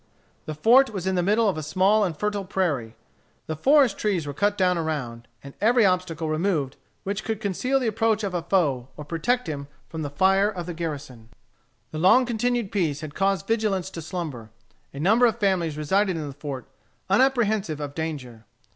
The fort was in the middle of a small and fertile prairie. The forest trees were cut down around, and every obstacle removed which could conceal the approach of a foe or protect him from the fire of the garrison. The long continued peace had caused vigilance to slumber. A number of families resided in the fort, unapprehensive of danger.